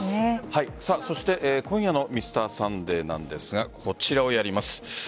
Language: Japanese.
そして今夜の「Ｍｒ．サンデー」なんですがこちらをやります。